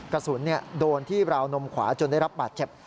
กระสุนโดนที่ราวนมขวาจนได้รับบาดเจ็บ